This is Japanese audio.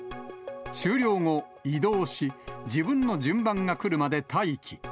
終了後、移動し、自分の順番が来るまで待機。